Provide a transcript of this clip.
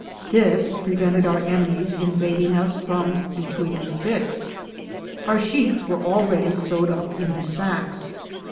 This prevented our enemies invading us from between the sticks. Our sheets were already sewed up into sacks.